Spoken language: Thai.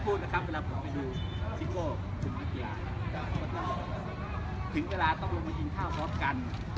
ผมไม่พูดนะครับถึงเวลาต้องลงไปกินข้าวพร้อมกัน